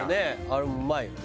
あれうまいよね。